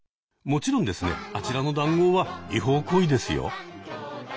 もちろんですねあちらの談合は違法行為ですよ。